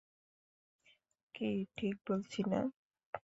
কী ঠিক বলছি না?